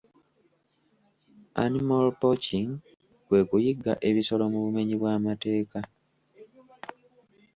Animal poaching kwe kuyigga ebisolo mu bumenyi bw'amateeka.